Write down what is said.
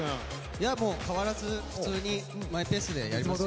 変わらず普通にマイペースでやりますよ。